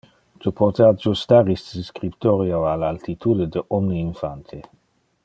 Tu pote adjustar iste scriptorio al altitude de omne infante.